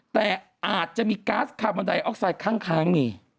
แต่อาจจะมีก๊าซคาร์บอนไดออกไซด์ข้างมี